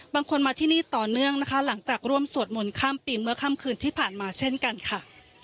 บางคนมาที่นี่ต่อเนื่องนะคะหลังจากร่วมสวดมนต์ข้ามปีเมื่อค่ำคืนที่ผ่านมาเช่นกันค่ะ